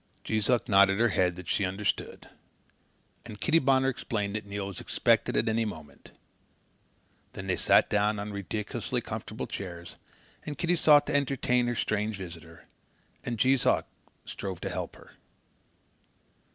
Jees Uck nodded her head that she understood, and Kitty Bonner explained that Neil was expected at any moment. Then they sat down on ridiculously comfortable chairs, and Kitty sought to entertain her strange visitor, and Jees Uck strove to help her.